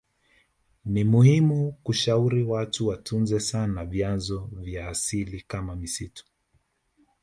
Nimuhimu kushauri watu watunze sana vyanzo vya asili kama misitu